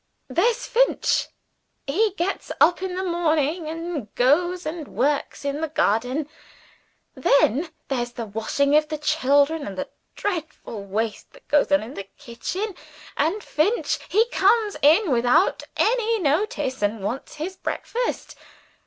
"There's Finch, he gets up in the morning and goes and works in the garden. Then there's the washing of the children; and the dreadful waste that goes on in the kitchen. And Finch, he comes in without any notice, and wants his breakfast.